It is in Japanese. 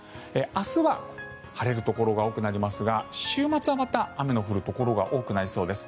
明日は晴れるところが多くなりますが週末はまた雨の降るところが多くなりそうです。